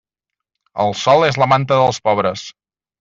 El sol és la manta dels pobres.